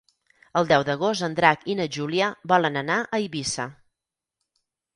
El deu d'agost en Drac i na Júlia volen anar a Eivissa.